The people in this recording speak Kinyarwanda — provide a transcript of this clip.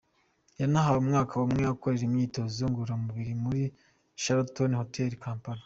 Yanahawe umwaka umwe akorera imyitozo ngororamubiri muri Sheraton Hotel Kampala.